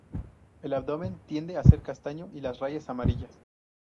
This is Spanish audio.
El abdomen tiende a ser castaño y las rayas amarillas.